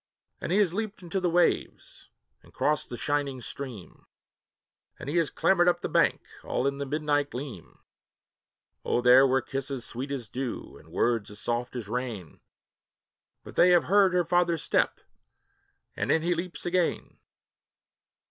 And he has leaped into the waves, and crossed the shining stream, And he has clambered up the bank, all in the moonlight gleam; Oh there were kisses sweet as dew, and words as soft as rain, But they have heard her father's step, and in he leaps again!